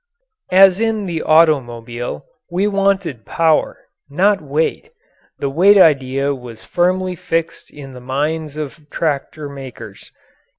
As in the automobile, we wanted power not weight. The weight idea was firmly fixed in the minds of tractor makers.